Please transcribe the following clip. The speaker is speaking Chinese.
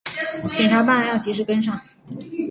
检察办案要及时跟上